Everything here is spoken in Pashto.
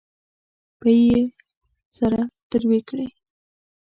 پۍ یې سره تروې کړې.